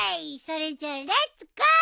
それじゃあレッツゴー！